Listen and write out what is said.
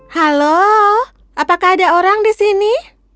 halo apakah ada orang di sini